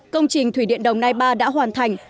công trình thủy điện đồng nai ba đã hoàn thành